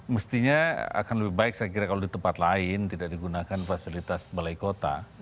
mestinya akan lebih baik saya kira kalau di tempat lain tidak digunakan fasilitas balai kota